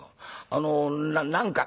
あの何か」。